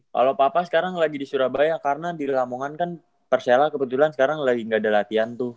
kalau papa sekarang lagi di surabaya karena di lamongan kan persela kebetulan sekarang lagi gak ada latihan tuh